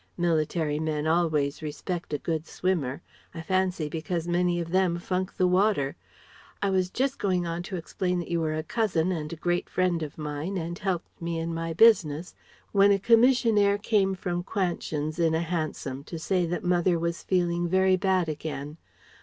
Military men always respect a good swimmer; I fancy because many of them funk the water.... I was just going on to explain that you were a cousin of a great friend of mine and helped me in my business, when a commissionaire came from Quansions in a hansom to say that mother was feeling very bad again.